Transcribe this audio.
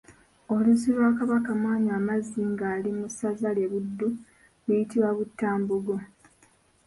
Oluzzi lwa Kabaka mwanywa amazzi ng’ali mu ssaza lye Buddu luyitibwa Buttambogo.